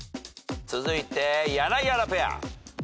続いて柳原ペア。